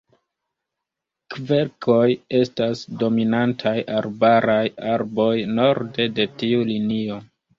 Kverkoj estas dominantaj arbaraj arboj norde de tiu linio.